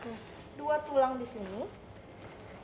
kita memasang dua tulang di sini